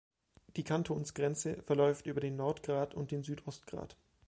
Die Kantonsgrenze verläuft über den Nordgrat und den Südostgrat.